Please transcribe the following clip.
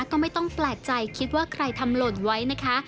ก็ไม่ต้องแปลกใจคิดว่าใครทำหล่นไว้นะคะ